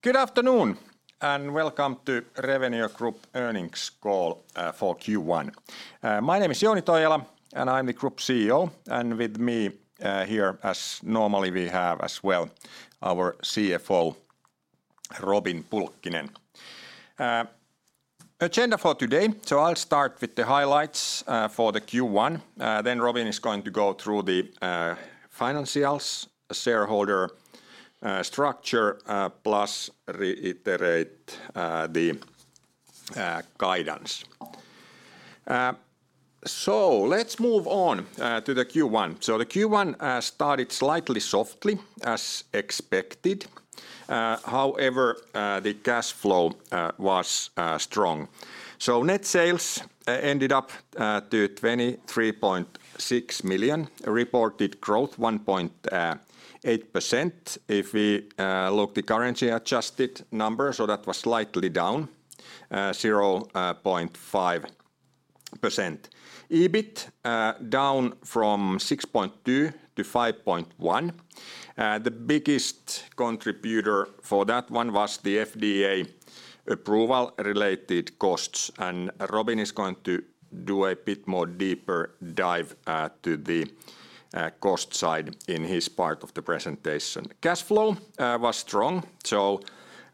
Good afternoon and welcome to Revenio Group Earnings Call for Q1. My name is Jouni Toijala and I'm the Group CEO. With me here, as normally we have as well, our CFO Robin Pulkkinen. Agenda for today, so I'll start with the highlights for the Q1. Then Robin is going to go through the financials, shareholder structure plus reiterate the guidance. So let's move on to the Q1. So the Q1 started slightly softly as expected. However, the cash flow was strong. So net sales ended up to 23.6 million. Reported growth 1.8% if we look at the currency-adjusted numbers. So that was slightly down, 0.5%. EBIT down from 6.2 million-5.1 million. The biggest contributor for that one was the FDA approval related costs. And Robin is going to do a bit more deeper dive to the cost side in his part of the presentation. Cash flow was strong. So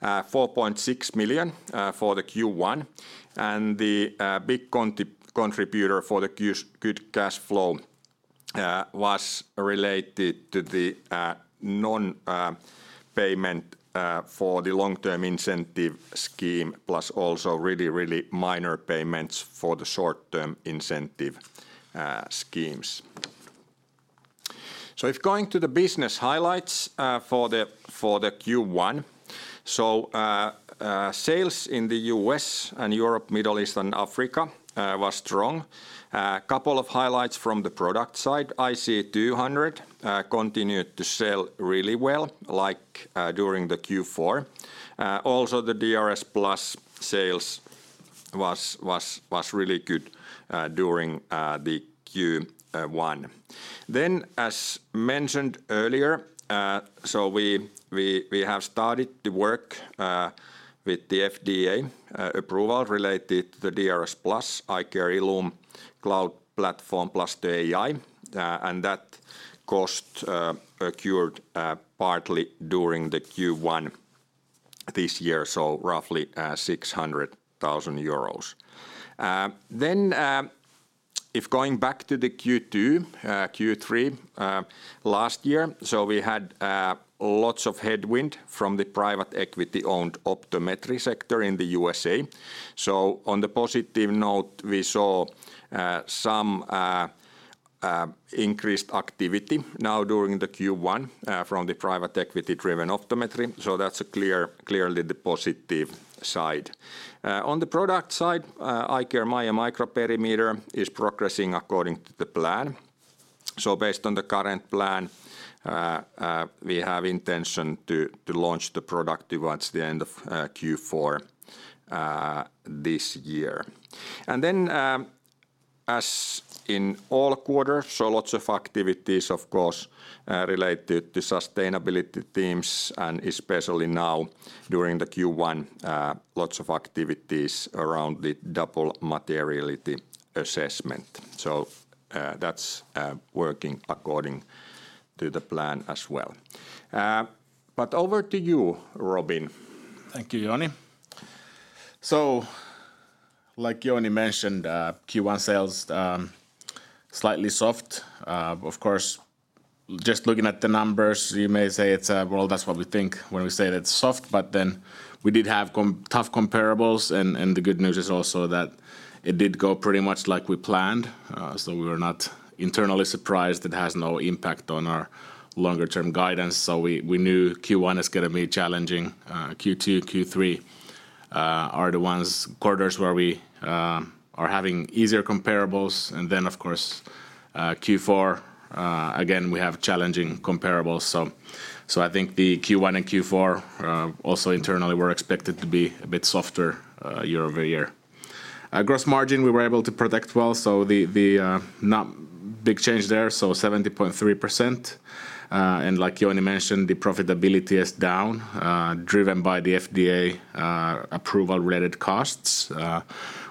4.6 million for the Q1. And the big contributor for the good cash flow was related to the non-payment for the long-term incentive scheme plus also really minor payments for the short-term incentive schemes. So if going to the business highlights for the Q1. So sales in the U.S. and Europe, Middle East and Africa was strong. A couple of highlights from the product side. IC200 continued to sell really well like during the Q4. Also the DRSplus sales was really good during the Q1. Then as mentioned earlier so we have started the work with the FDA approval related to the DRSplus iCare ILLUME cloud platform plus the AI. And that cost occurred partly during the Q1 this year. So roughly 600,000 euros. Then if going back to the Q3 last year. So we had lots of headwind from the private equity owned optometry sector in the U.S.A. So on the positive note we saw some increased activity now during the Q1 from the private equity driven optometry. So that's clearly the positive side. On the product side iCare MAIA microperimeter is progressing according to the plan. So based on the current plan we have intention to launch the product towards the end of Q4 this year. And then as in all quarters so lots of activities of course related to sustainability themes and especially now during the Q1 lots of activities around the double materiality assessment. So that's working according to the plan as well. But over to you Robin. Thank you, Jouni. So like Jouni mentioned, Q1 sales slightly soft. Of course just looking at the numbers you may say it's, well, that's what we think when we say that it's soft. But then we did have tough comparables and the good news is also that it did go pretty much like we planned. So we were not internally surprised. It has no impact on our longer-term guidance. So we knew Q1 is going to be challenging. Q2, Q3 are the ones quarters where we are having easier comparables. And then of course Q4 again we have challenging comparables. So I think the Q1 and Q4 also internally were expected to be a bit softer year-over-year. Gross margin we were able to protect well. So the big change there, so 70.3%. And like Jouni mentioned the profitability is down driven by the FDA approval related costs.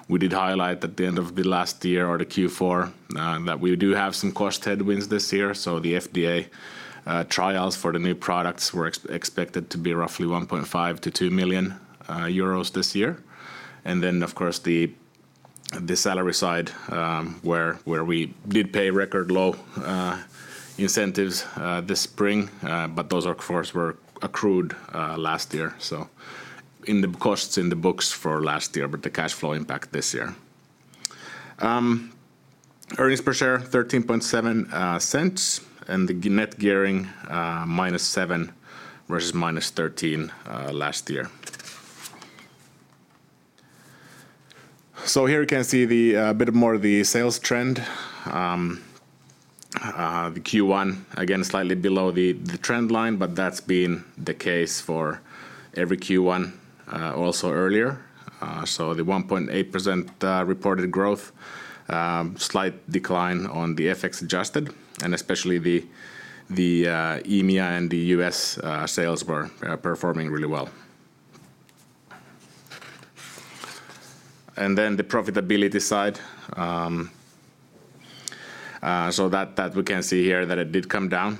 We did highlight at the end of the last year or the Q4 that we do have some cost headwinds this year. The FDA trials for the new products were expected to be roughly 1.5 million-2 million euros this year. Then of course the salary side where we did pay record low incentives this spring. But those of course were accrued last year. So in the costs in the books for last year but the cash flow impact this year. Earnings per share 0.137 and the net gearing -7 versus -13 last year. So here you can see a bit more of the sales trend. The Q1 again slightly below the trend line. But that's been the case for every Q1 also earlier. So the 1.8% reported growth. Slight decline on the FX-adjusted. And especially the EMEA and the U.S. sales were performing really well. And then the profitability side. So that we can see here that it did come down.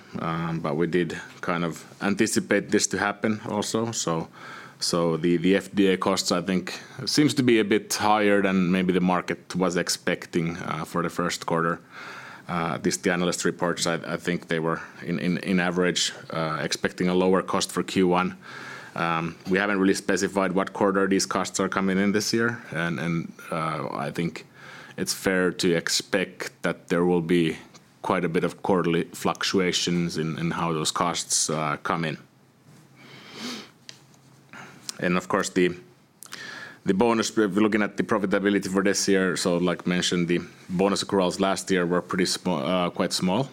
But we did kind of anticipate this to happen also. So the FDA costs I think seems to be a bit higher than maybe the market was expecting for the first quarter. At least the analyst reports I think they were on average expecting a lower cost for Q1. We haven't really specified what quarter these costs are coming in this year. And I think it's fair to expect that there will be quite a bit of quarterly fluctuations in how those costs come in. And of course the bonus if we're looking at the profitability for this year. So as mentioned the bonus accruals last year were quite small.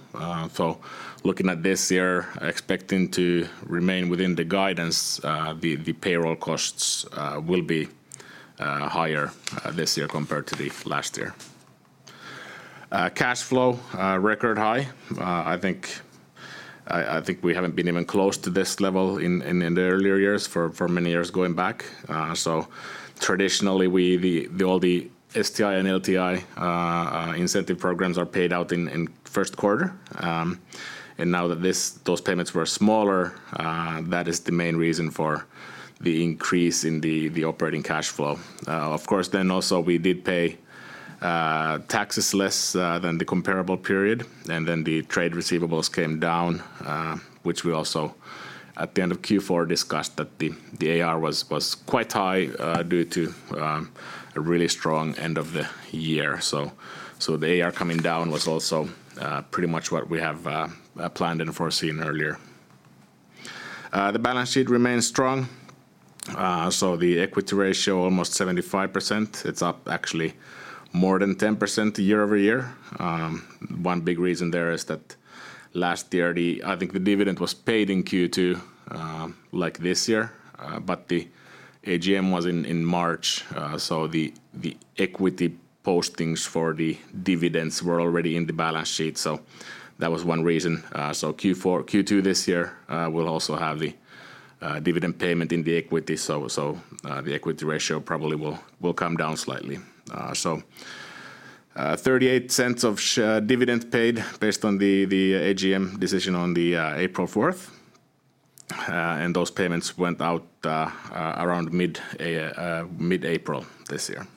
So, looking at this year, expecting to remain within the guidance, the payroll costs will be higher this year compared to the last year. Cash flow record high. I think we haven't been even close to this level in the earlier years for many years going back. So traditionally all the STI and LTI incentive programs are paid out in first quarter. And now that those payments were smaller that is the main reason for the increase in the operating cash flow. Of course then also we did pay taxes less than the comparable period. And then the trade receivables came down. Which we also at the end of Q4 discussed that the AR was quite high due to a really strong end of the year. So the AR coming down was also pretty much what we have planned and foreseen earlier. The balance sheet remains strong. So the equity ratio almost 75%. It's up actually more than 10% year-over-year. One big reason there is that last year I think the dividend was paid in Q2 like this year. But the AGM was in March. So the equity postings for the dividends were already in the balance sheet. So that was one reason. So Q2 this year will also have the dividend payment in the equity. So the equity ratio probably will come down slightly. So 0.38 dividend paid based on the AGM decision on April 4th. And those payments went out around mid-April this year.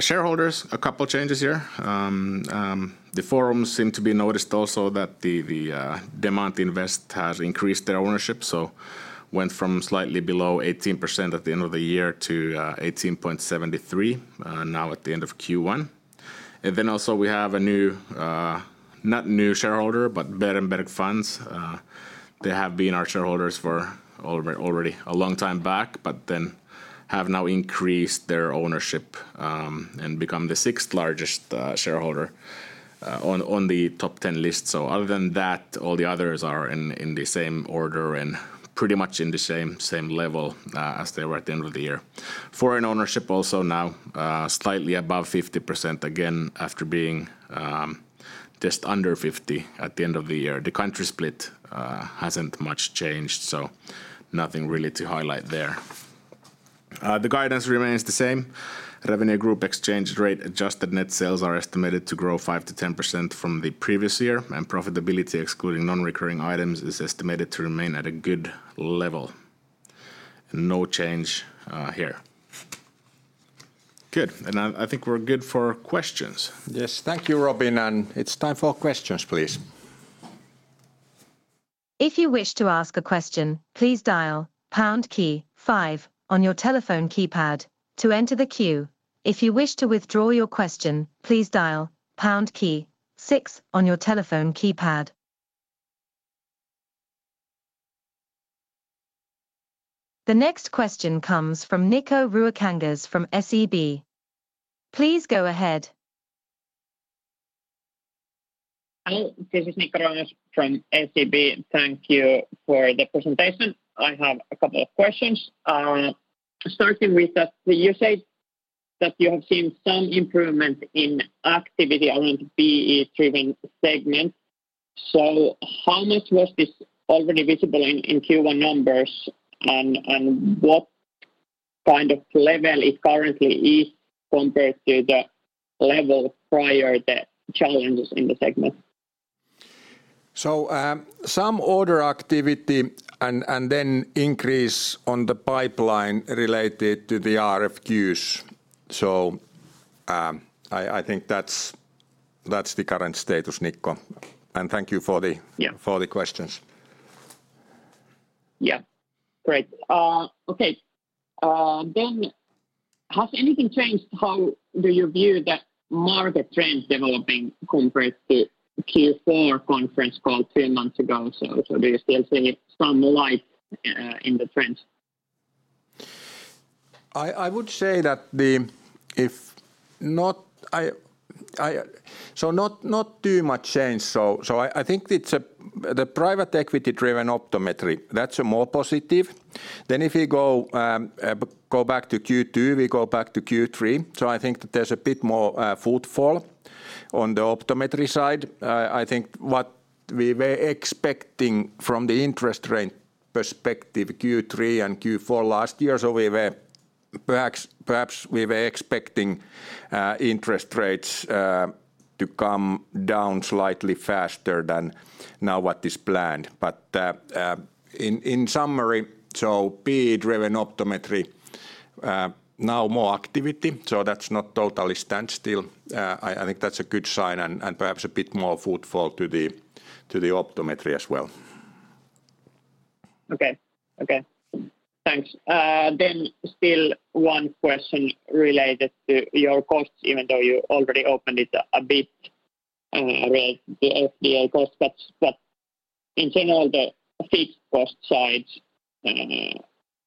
Shareholders a couple changes here. The funds seem to have noticed also that Demant Invest has increased their ownership. So went from slightly below 18% at the end of the year to 18.73% now at the end of Q1. Then also we have a new not new shareholder but Berenberg Funds. They have been our shareholders for already a long time back. But then have now increased their ownership and become the sixth largest shareholder on the top 10 list. So other than that all the others are in the same order and pretty much in the same level as they were at the end of the year. Foreign ownership also now slightly above 50% again after being just under 50% at the end of the year. The country split hasn't much changed. So nothing really to highlight there. The guidance remains the same. Revenio Group exchange rate adjusted net sales are estimated to grow 5%-10% from the previous year. And profitability excluding non-recurring items is estimated to remain at a good level. No change here. Good. And I think we're good for questions. Yes. Thank you Robin. It's time for questions please. If you wish to ask a question, please dial pound key five on your telephone keypad to enter the queue. If you wish to withdraw your question, please dial pound key six on your telephone keypad. The next question comes from Niko Ruokangas from SEB. Please go ahead. Hi. This is Niko Ruokangas from SEB. Thank you for the presentation. I have a couple of questions. Starting with that you said that you have seen some improvement in activity around the PE driven segment. So how much was this already visible in Q1 numbers? And what kind of level it currently is compared to the level prior to the challenges in the segment? So some order activity and then increase on the pipeline related to the RFQs. So I think that's the current status, Niko. And thank you for the questions. Yeah. Great. Okay. Has anything changed? How do you view the market trends developing compared to Q4 conference call two months ago? Do you still see some light in the trends? I would say that there is not so not too much change. So I think it's the private equity driven optometry. That's more positive. Then if we go back to Q2 we go back to Q3. So I think that there's a bit more footfall on the optometry side. I think what we were expecting from the interest rate perspective Q3 and Q4 last year. So perhaps we were expecting interest rates to come down slightly faster than now what is planned. But in summary so PE driven optometry now more activity. So that's not totally standstill. I think that's a good sign. And perhaps a bit more footfall to the optometry as well. Okay. Okay. Thanks. Then still one question related to your costs, even though you already opened it a bit related to the FDA costs. But in general, the fixed cost side,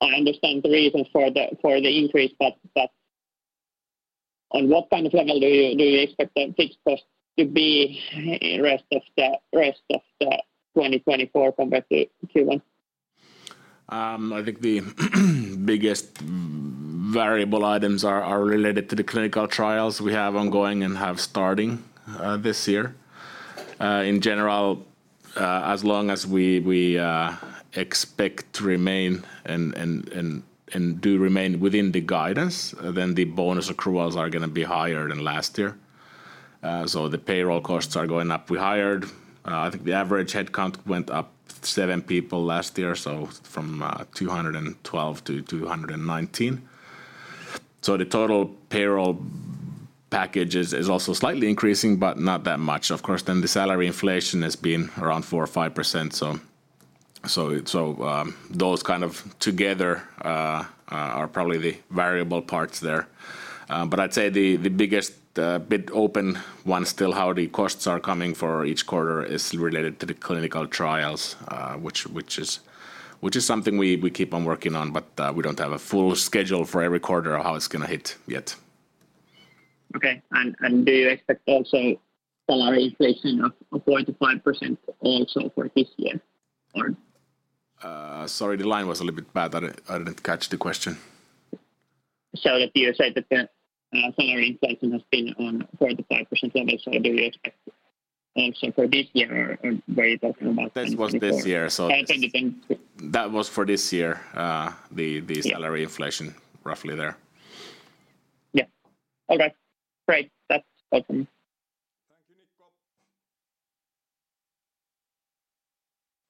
I understand the reason for the increase. But on what kind of level do you expect the fixed costs to be the rest of the 2024 compared to Q1? I think the biggest variable items are related to the clinical trials we have ongoing and have starting this year. In general, as long as we expect to remain and do remain within the guidance, then the bonus accruals are going to be higher than last year. So the payroll costs are going up. We hired; I think the average headcount went up seven people last year. So from 212 to 219. So the total payroll package is also slightly increasing but not that much. Of course then the salary inflation has been around 4%-5%. So those kind of together are probably the variable parts there. But I'd say the biggest bit open one still how the costs are coming for each quarter is related to the clinical trials. Which is something we keep on working on. But we don't have a full schedule for every quarter or how it's going to hit yet. Okay. Do you expect also salary inflation of 4%-5% also for this year? Sorry, the line was a little bit bad. I didn't catch the question. So that you said that the salary inflation has been on 4%-5% level. So do you expect also for this year or were you talking about. This was this year. That was for this year the salary inflation roughly there. Yeah. Okay. Great. That's awesome.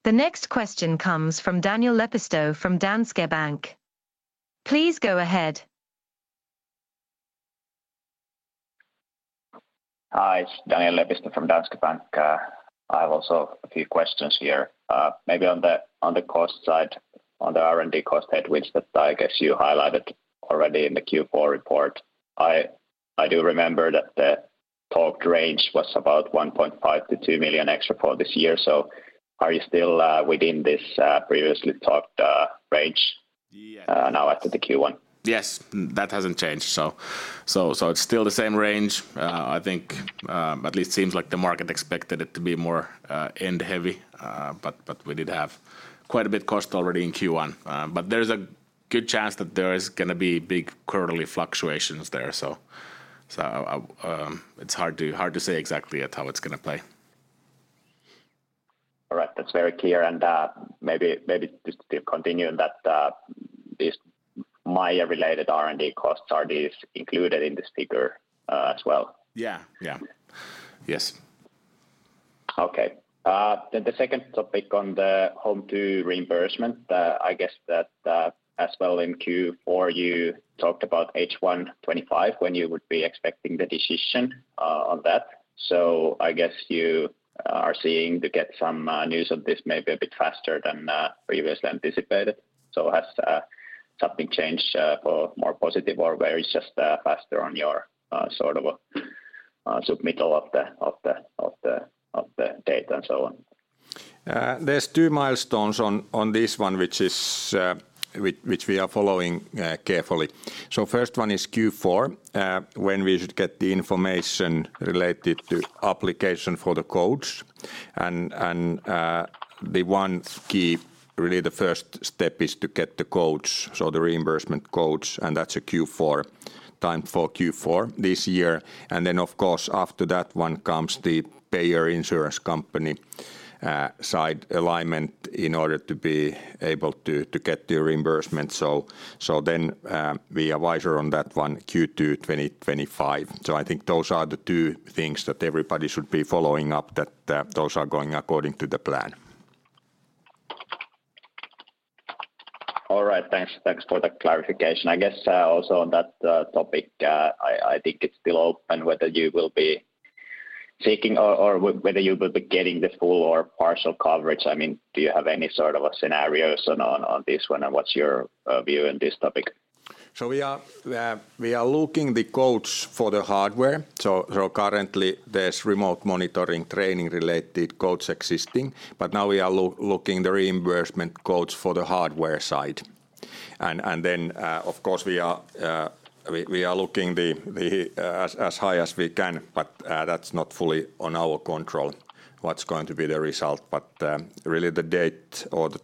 Thank you, Niko. The next question comes from Daniel Lepistö from Danske Bank. Please go ahead. Hi. It's Daniel Lepistö from Danske Bank. I have also a few questions here. Maybe on the cost side on the R&D cost headwinds that I guess you highlighted already in the Q4 report. I do remember that the talked range was about 1.5 million-2 million extra for this year. So are you still within this previously talked range now after the Q1? Yes. That hasn't changed. So it's still the same range. I think at least seems like the market expected it to be more end-heavy. But we did have quite a bit of cost already in Q1. But there's a good chance that there is going to be big quarterly fluctuations there. So it's hard to say exactly how it's going to play. All right. That's very clear. And maybe just to continue on that these MAIA-related R&D costs are these included in this figure as well? Yeah. Yeah. Yes. Okay. Then the second topic on the HOME2 reimbursement. I guess that as well in Q4 you talked about H1 2025 when you would be expecting the decision on that. So I guess you are seeing to get some news on this maybe a bit faster than previously anticipated. So has something changed for more positive or where it's just faster on your sort of submittal of the data and so on? There's two milestones on this one which we are following carefully. So first one is Q4 when we should get the information related to application for the codes. And the one key, really, the first step is to get the codes. So the reimbursement codes. And that's a Q4 time. For Q4 this year. And then of course after that one comes the payer insurance company side alignment in order to be able to get the reimbursement. So then we advise on that one Q2 2025. So I think those are the two things that everybody should be following up. That those are going according to the plan. All right. Thanks for the clarification. I guess also on that topic I think it's still open whether you will be seeking or whether you will be getting the full or partial coverage. I mean do you have any sort of scenarios on this one? And what's your view on this topic? So we are looking the codes for the hardware. So currently there's remote monitoring training related codes existing. But now we are looking the reimbursement codes for the hardware side. And then of course we are looking as high as we can. But that's not fully on our control what's going to be the result. But really the date or the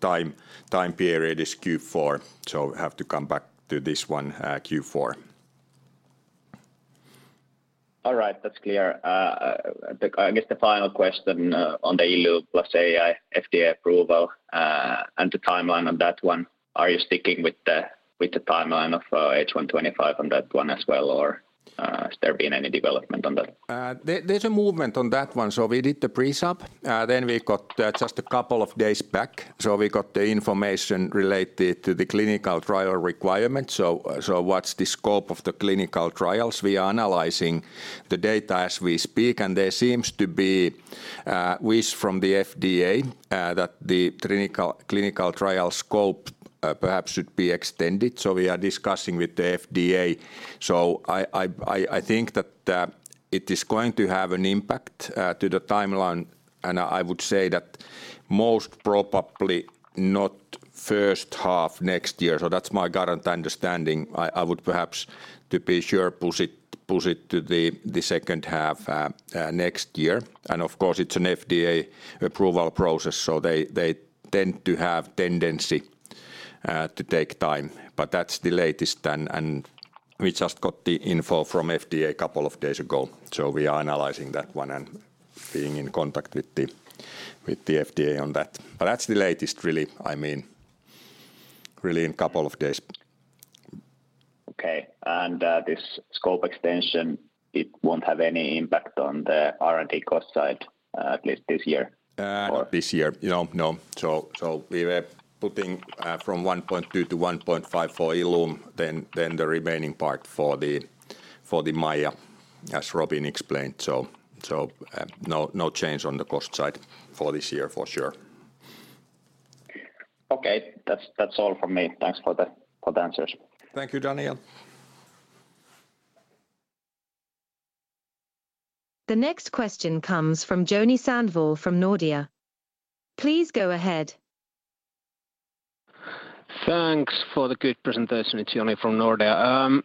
time period is Q4. So we have to come back to this one Q4. All right. That's clear. I guess the final question on the ILLUME plus AI FDA approval and the timeline on that one. Are you sticking with the timeline of H1 2025 on that one as well? Or has there been any development on that? There's a movement on that one. So we did the pre-sub. Then we got just a couple of days back. So we got the information related to the clinical trial requirements. So what's the scope of the clinical trials? We are analyzing the data as we speak. And there seems to be wish from the FDA that the clinical trial scope perhaps should be extended. So we are discussing with the FDA. So I think that it is going to have an impact to the timeline. And I would say that most probably not first half next year. So that's my current understanding. I would perhaps to be sure push it to the second half next year. And of course it's an FDA approval process. So they tend to have tendency to take time. But that's the latest. We just got the info from FDA a couple of days ago. We are analyzing that one and being in contact with the FDA on that. But that's the latest really. I mean, really in a couple of days. Okay. And this scope extension it won't have any impact on the R&D cost side at least this year? This year. No. No. So we were putting from 1.2-1.5 for ILLUME. Then the remaining part for the MAIA as Robin explained. So no change on the cost side for this year for sure. Okay. That's all from me. Thanks for the answers. Thank you Daniel. The next question comes from Joni Sandvall from Nordea. Please go ahead. Thanks for the good presentation, Joni from Nordea.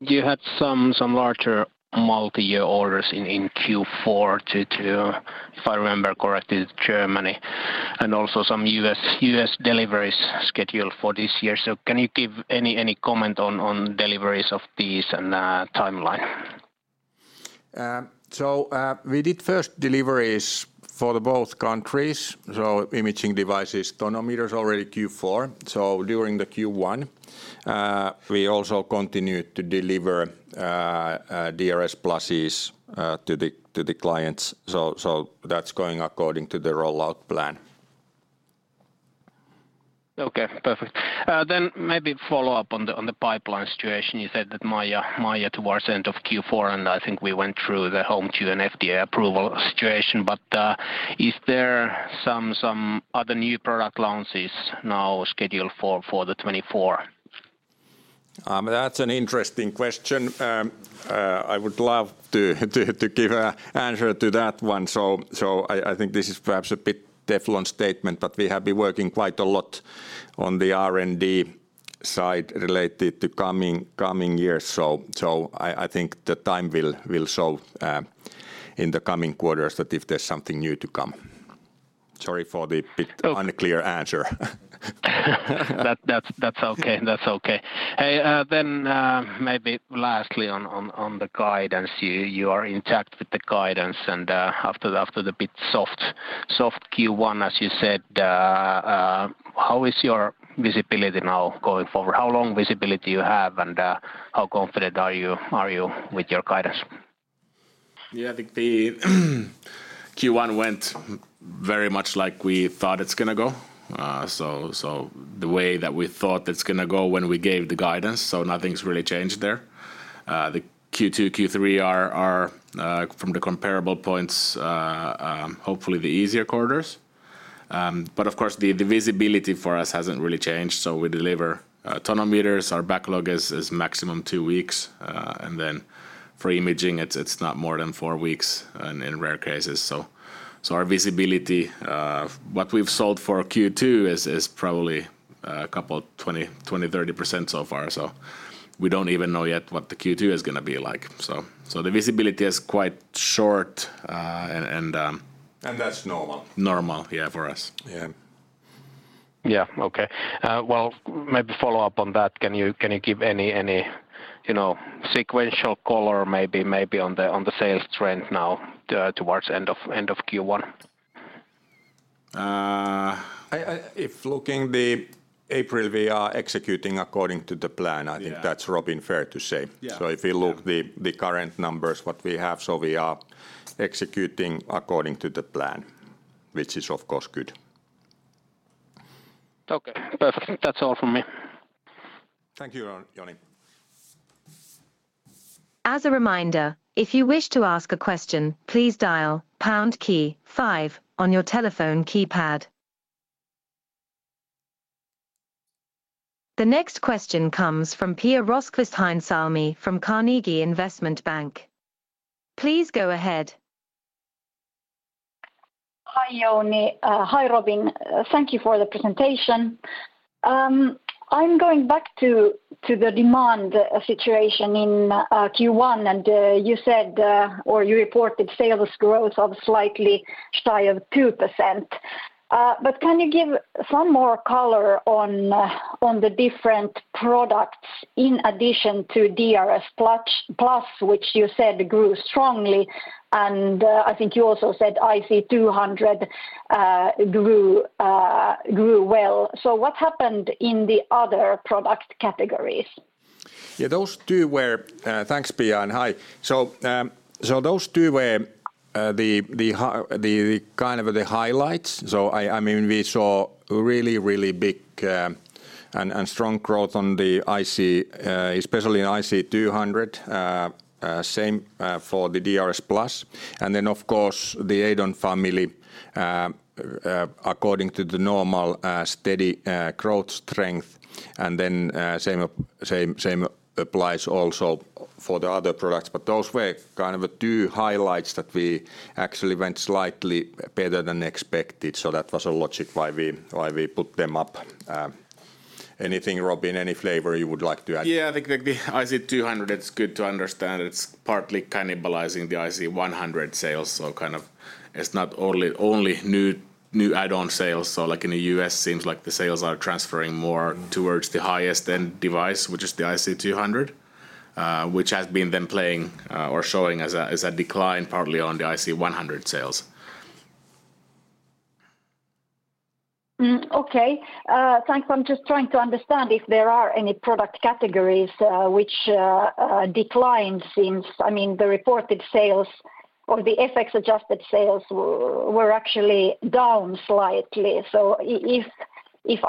You had some larger multi-year orders in Q4 too, if I remember correctly, to Germany. And also some U.S. deliveries scheduled for this year. So can you give any comment on deliveries of these and timeline? We did first deliveries for both countries. Imaging devices tonometers already Q4. During the Q1 we also continued to deliver DRS pluses to the clients. That's going according to the rollout plan. Okay. Perfect. Then maybe follow up on the pipeline situation. You said that MAIA towards the end of Q4. And I think we went through the HOME2 and FDA approval situation. But is there some other new product launches now scheduled for 2024? That's an interesting question. I would love to give an answer to that one. So I think this is perhaps a bit Teflon statement. But we have been working quite a lot on the R&D side related to coming years. So I think the time will show in the coming quarters that if there's something new to come. Sorry for the bit unclear answer. That's okay. That's okay. Hey, then maybe lastly on the guidance. You are intact with the guidance. And after a bit soft Q1 as you said. How is your visibility now going forward? How long visibility you have? And how confident are you with your guidance? Yeah. I think the Q1 went very much like we thought it's going to go. So the way that we thought it's going to go when we gave the guidance. So nothing's really changed there. The Q2, Q3 are from the comparable points hopefully the easier quarters. But of course the visibility for us hasn't really changed. So we deliver tonometers. Our backlog is maximum two weeks. And then for imaging it's not more than four weeks in rare cases. So our visibility what we've sold for Q2 is probably a couple 20%-30% so far. So we don't even know yet what the Q2 is going to be like. So the visibility is quite short and. That's normal. Normal. Yeah for us. Yeah. Yeah. Okay. Well, maybe follow up on that. Can you give any sequential color maybe on the sales trend now towards end of Q1? Looking at April, we are executing according to the plan. I think that's fair to say, Robin. So if you look at the current numbers what we have. So we are executing according to the plan. Which is of course good. Okay. Perfect. That's all from me. Thank you Joni. As a reminder, if you wish to ask a question please dial pound key five on your telephone keypad. The next question comes from Pia Rosqvist-Heinsalmi from Carnegie Investment Bank. Please go ahead. Hi Jouni. Hi Robin. Thank you for the presentation. I'm going back to the demand situation in Q1. And you said or you reported sales growth of slightly shy of 2%. But can you give some more color on the different products in addition to DRS plus which you said grew strongly. And I think you also said IC200 grew well. So what happened in the other product categories? Yeah. Those two were—thanks, Pia, and hi. So those two were the kind of the highlights. So I mean we saw really, really big and strong growth on the IC, especially in IC200. Same for the DRS plus. And then of course the EIDON family according to the normal steady growth strength. And then same applies also for the other products. But those were kind of two highlights that we actually went slightly better than expected. So that was a logic why we put them up. Anything, Robin? Any flavor you would like to add? Yeah. I think the IC200, it's good to understand. It's partly cannibalizing the IC100 sales. So kind of it's not only new add-on sales. So like in the U.S. seems like the sales are transferring more towards the highest end device which is the IC200. Which has been then playing or showing as a decline partly on the IC100 sales. Okay. Thanks. I'm just trying to understand if there are any product categories which declined since. I mean the reported sales or the FX adjusted sales were actually down slightly. So if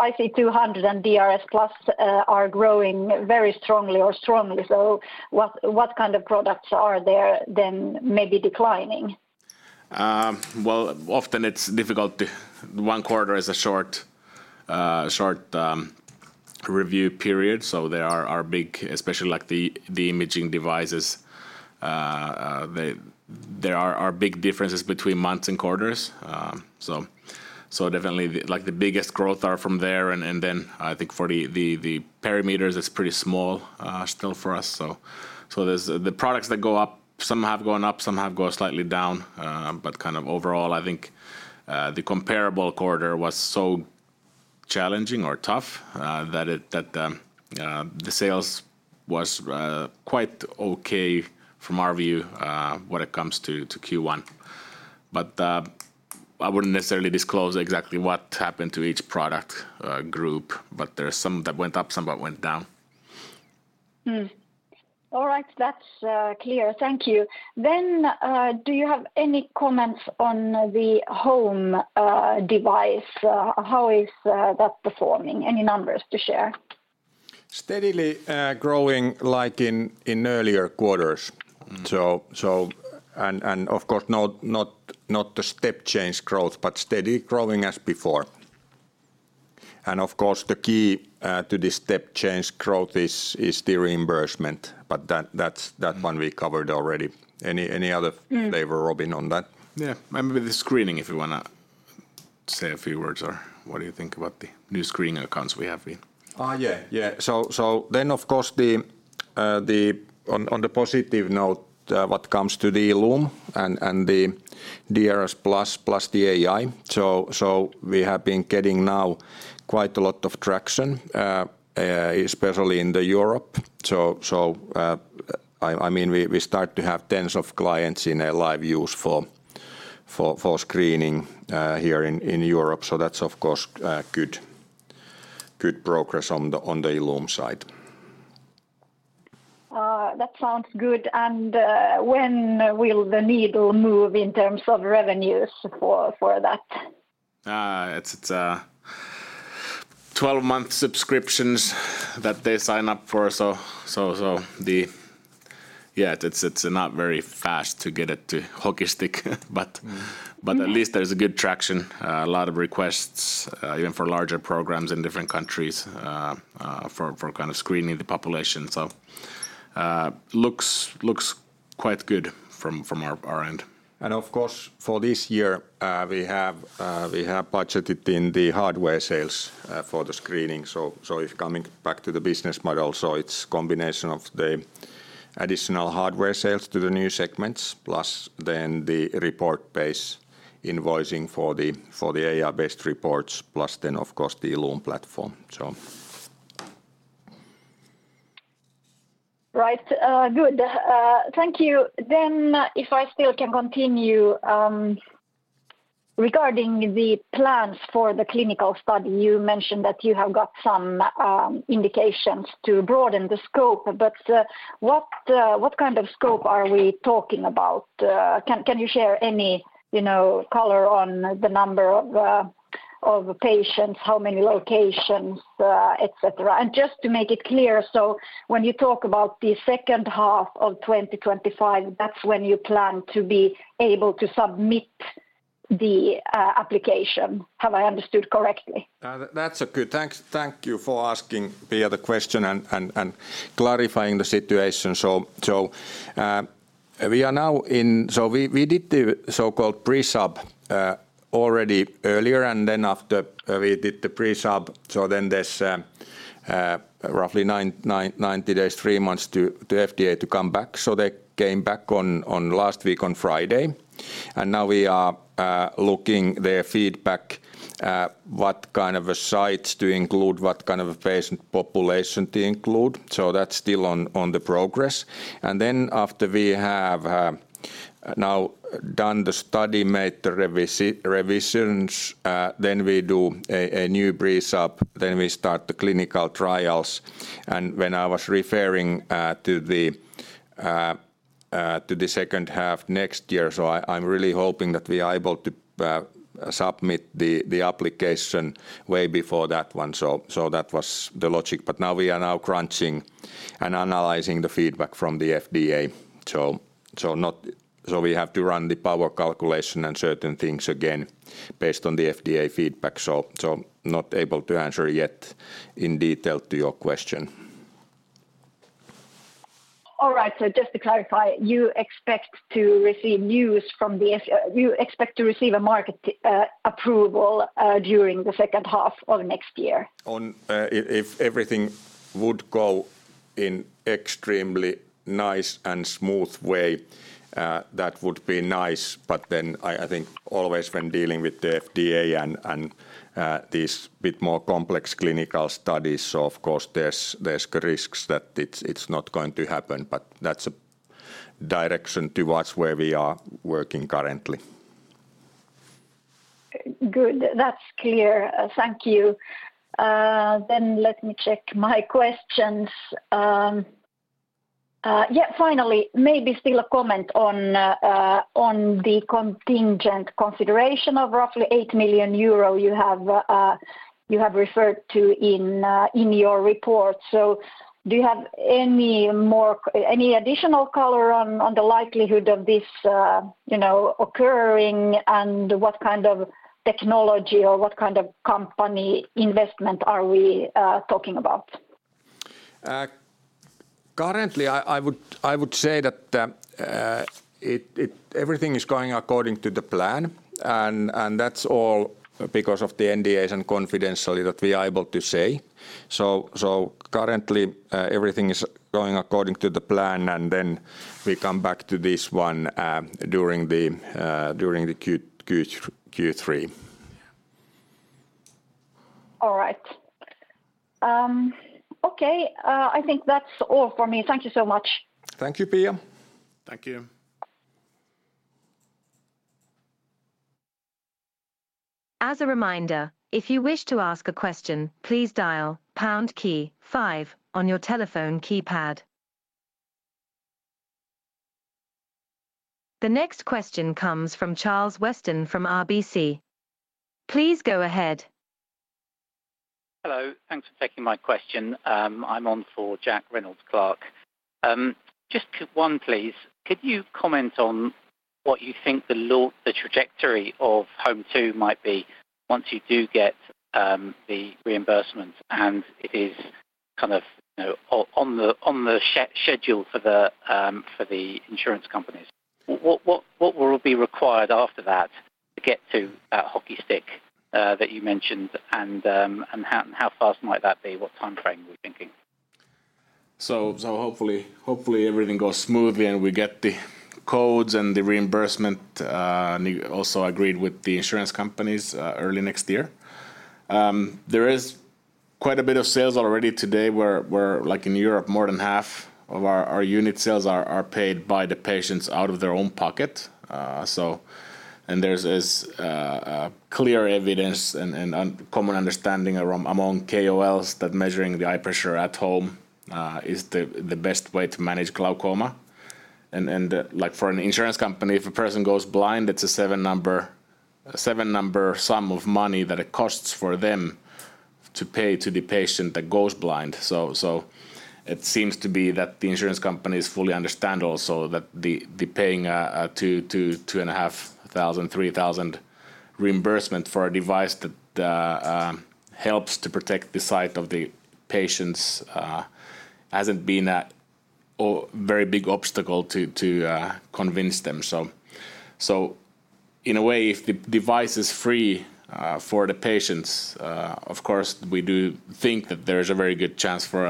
IC200 and DRSplus are growing very strongly or strongly. So what kind of products are there then maybe declining? Well, often it's difficult too. One quarter is a short review period. So there are big, especially like the imaging devices. There are big differences between months and quarters. So definitely the biggest growth are from there. And then I think for the perimeters it's pretty small still for us. So the products that go up some have gone up. Some have gone slightly down. But kind of overall I think the comparable quarter was so challenging or tough that the sales was quite okay from our view when it comes to Q1. But I wouldn't necessarily disclose exactly what happened to each product group. But there's some that went up. Some that went down. All right. That's clear. Thank you. Then do you have any comments on the home device? How is that performing? Any numbers to share? Steadily growing like in earlier quarters. So and of course not the step change growth. But steady growing as before. And of course the key to the step change growth is the reimbursement. But that one we covered already. Any other flavor Robin on that? Yeah. Maybe the screening, if you want to say a few words, or what do you think about the new screening accounts we have been? Yeah. Yeah. So then, of course, on the positive note, what comes to the ILLUME and the DRSplus plus the AI. So we have been getting now quite a lot of traction, especially in Europe. So I mean we start to have tens of clients in a live use for screening here in Europe. So that's of course good progress on the ILLUME side. That sounds good. When will the needle move in terms of revenues for that? It's 12-month subscriptions that they sign up for. So yeah. It's not very fast to get it to hockey stick. But at least there's a good traction. A lot of requests even for larger programs in different countries for kind of screening the population. So looks quite good from our end. And of course for this year we have budgeted in the hardware sales for the screening. So if coming back to the business model. So it's a combination of the additional hardware sales to the new segments plus then the report-based invoicing for the AI-based reports plus then of course the ILLUME platform. Right. Good. Thank you. Then if I still can continue. Regarding the plans for the clinical study. You mentioned that you have got some indications to broaden the scope. But what kind of scope are we talking about? Can you share any color on the number of patients? How many locations? Etc. And just to make it clear. So when you talk about the second half of 2025, that's when you plan to be able to submit the application. Have I understood correctly? That's good. Thank you for asking Pia the question and clarifying the situation. So we did the so-called pre-sub already earlier. And then after we did the pre-sub. So then there's roughly 90 days, three months to FDA to come back. So they came back last week on Friday. And now we are looking their feedback. What kind of sites to include? What kind of patient population to include? So that's still on the progress. And then after we have now done the study, made the revisions. Then we do a new pre-sub. Then we start the clinical trials. And when I was referring to the second half next year. So I'm really hoping that we are able to submit the application way before that one. So that was the logic. But now we are now crunching and analyzing the feedback from the FDA. We have to run the power calculation and certain things again based on the FDA feedback. Not able to answer yet in detail to your question. All right. So just to clarify. You expect to receive a market approval during the second half of next year? If everything would go in an extremely nice and smooth way, that would be nice. But then I think always when dealing with the FDA and these bit more complex clinical studies. So of course there's the risks that it's not going to happen. But that's a direction towards where we are working currently. Good. That's clear. Thank you. Then let me check my questions. Yeah. Finally. Maybe still a comment on the contingent consideration of roughly 8 million euro you have referred to in your report. So do you have any additional color on the likelihood of this occurring? And what kind of technology or what kind of company investment are we talking about? Currently I would say that everything is going according to the plan. That's all because of the NDAs and confidentiality that we are able to say. Currently everything is going according to the plan. Then we come back to this one during the Q3. All right. Okay. I think that's all for me. Thank you so much. Thank you Pia. Thank you. As a reminder, if you wish to ask a question please dial pound key five on your telephone keypad. The next question comes from Charles Weston from RBC. Please go ahead. Hello. Thanks for taking my question. I'm on for Jack Reynolds-Clark. Just one please. Could you comment on what you think the trajectory of HOME2 might be once you do get the reimbursement? And if it is kind of on the schedule for the insurance companies. What will be required after that to get to that hockey stick that you mentioned? And how fast might that be? What timeframe are we thinking? So hopefully everything goes smoothly and we get the codes and the reimbursement also agreed with the insurance companies early next year. There is quite a bit of sales already today where like in Europe more than half of our unit sales are paid by the patients out of their own pocket. And there's clear evidence and common understanding among KOLs that measuring the eye pressure at home is the best way to manage glaucoma. And like for an insurance company if a person goes blind it's a seven-figure sum of money that it costs for them to pay to the patient that goes blind. So it seems to be that the insurance companies fully understand also that the paying 2,500-3,000 reimbursement for a device that helps to protect the sight of the patients hasn't been a very big obstacle to convince them. So in a way if the device is free for the patients of course we do think that there is a very good chance for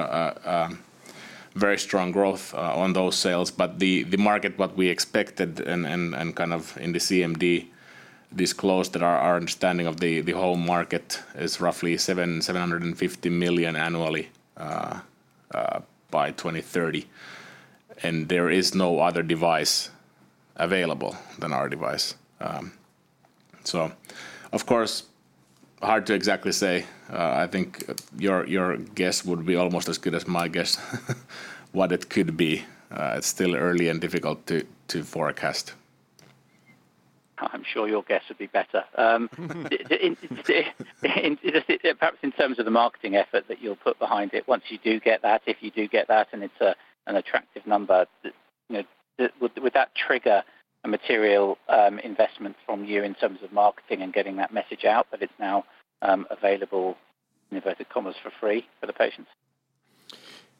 very strong growth on those sales. But the market what we expected and kind of in the CMD disclosed that our understanding of the home market is roughly 750 million annually by 2030. And there is no other device available than our device. So of course hard to exactly say. I think your guess would be almost as good as my guess what it could be. It's still early and difficult to forecast. I'm sure your guess would be better. Perhaps in terms of the marketing effort that you'll put behind it once you do get that. If you do get that and it's an attractive number. Would that trigger a material investment from you in terms of marketing and getting that message out that it's now available for free for the patients?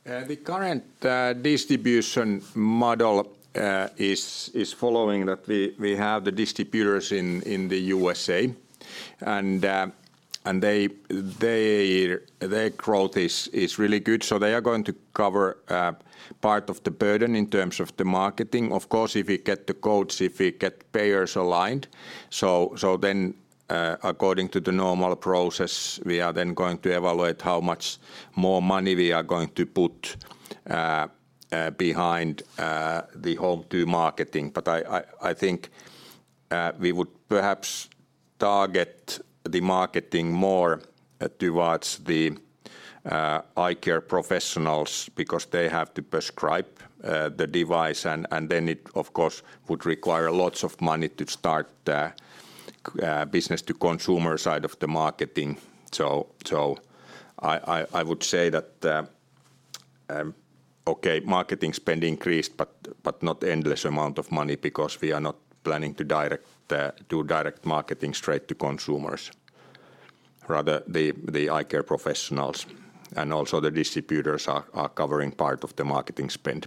The current distribution model is following that we have the distributors in the U.S.A. Their growth is really good. So they are going to cover part of the burden in terms of the marketing. Of course if we get the codes, if we get payers aligned. So then according to the normal process we are then going to evaluate how much more money we are going to put behind the HOME2 marketing. But I think we would perhaps target the marketing more towards the eye care professionals because they have to prescribe the device. And then it of course would require lots of money to start the business to consumer side of the marketing. So I would say that okay. Marketing spend increased but not endless amount of money because we are not planning to direct marketing straight to consumers. Rather, the eye care professionals and also the distributors are covering part of the marketing spend.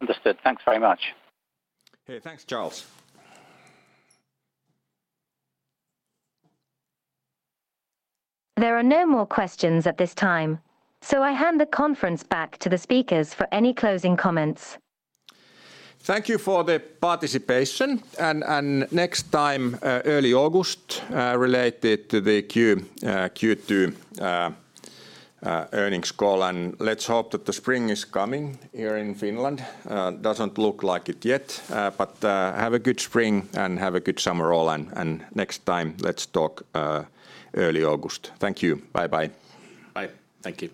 Understood. Thanks very much. Hey. Thanks, Charles. There are no more questions at this time. So I hand the conference back to the speakers for any closing comments. Thank you for the participation. Next time early August related to the Q2 Earnings Call. Let's hope that the spring is coming here in Finland. Doesn't look like it yet. Have a good spring and have a good summer all. Next time let's talk early August. Thank you. Bye bye. Bye. Thank you.